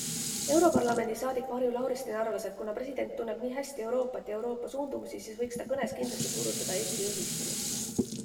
Europarlamendi saadik Marju Lauristin arvas, et kuna president tunneb nii hästi Euroopat ja Euroopa suundumusi, siis võiks ta kõnes kindlasti puudutada Eesti eesistumist.